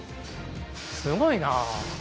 すごいな。